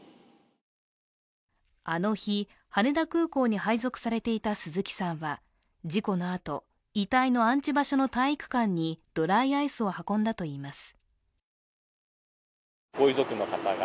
あの日、羽田空港に配属されていた鈴木さんは事故のあと、遺体の安置場所の体育館にドライアイスを運んだといいます。